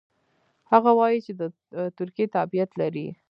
هغه وايي چې د ترکیې تابعیت لري.